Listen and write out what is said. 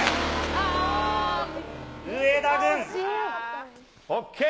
上田軍。ＯＫ。